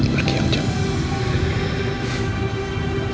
pergi yang jauh